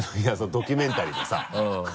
ドキュメンタリーのさ